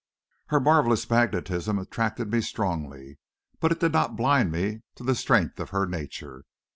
Her marvellous magnetism attracted me strongly, but it did not blind me to the strength of her nature.